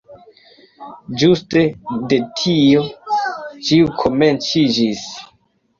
Ĝuste de tio ĉio komenciĝis.